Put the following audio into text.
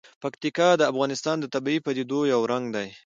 پکتیکا د افغانستان د طبیعي پدیدو یو رنګ دی.